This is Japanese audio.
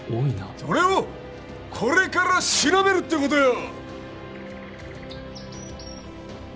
それをこれから調べるってことよ！